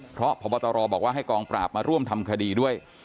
เพราะพบตรบอกว่าให้กองปราบมาร่วมทำคดีด้วย